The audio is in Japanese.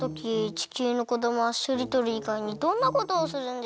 地球のこどもはしりとりいがいにどんなことをするんですか？